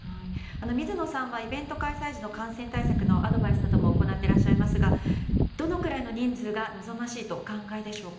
水野さんはイベント開催時のアドバイスなども行っていらっしゃいますがどのくらいの人数が望ましいとお考えでしょうか？